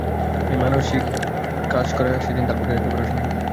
এই মানসিক ভূমিকম্পের মধ্যে মনোযোগ দিয়ে কাজ করা সেদিন তার পক্ষে একেবারে অসম্ভব।